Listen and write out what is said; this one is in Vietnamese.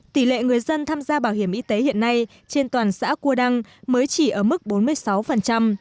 tỷ lệ người dân tham gia bảo hiểm y tế hiện nay trên toàn xã cua đăng mới chỉ ở mức bốn mươi sáu